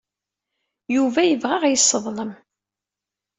Yuba yebɣa ad aɣ-yesseḍlem.